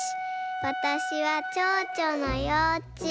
わたしはチョウチョのようちゅう。